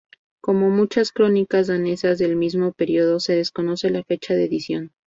Como muchas crónicas danesas del mismo periodo, se desconoce la fecha de edición.